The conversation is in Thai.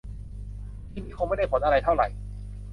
วิธีนี้คงไม่ได้ผลอะไรเท่าไหร่